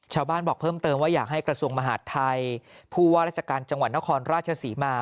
บอกเพิ่มเติมว่าอยากให้กระทรวงมหาดไทยผู้ว่าราชการจังหวัดนครราชศรีมา